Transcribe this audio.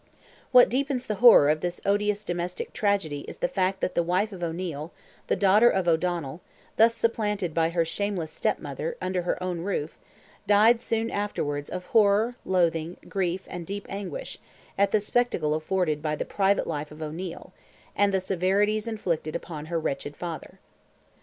What deepens the horror of this odious domestic tragedy is the fact that the wife of O'Neil, the daughter of O'Donnell, thus supplanted by her shameless stepmother, under her own roof, died soon afterwards of "horror, loathing, grief, and deep anguish," at the spectacle afforded by the private life of O'Neil, and the severities inflicted upon her wretched father.